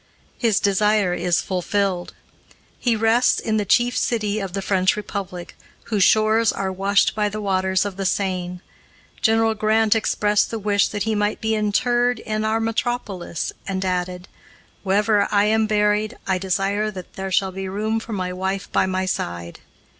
His desire is fulfilled. He rests in the chief city of the French republic, whose shores are washed by the waters of the Seine. General Grant expressed the wish that he might be interred in our metropolis and added: "Wherever I am buried, I desire that there shall be room for my wife by my side."